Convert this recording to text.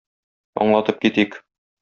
Аңлатып китик.